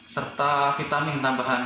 serta vitamin tambahan